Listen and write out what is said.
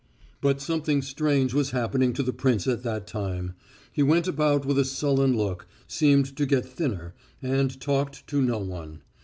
But something strange was happening to the prince at that time. He went about with a sullen look, seemed to get thinner, and talked to no one.